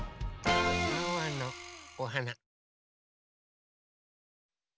ワンワンのおはな。